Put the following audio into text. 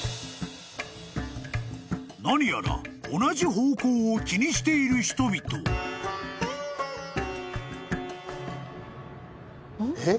［何やら同じ方向を気にしている人々］えっ？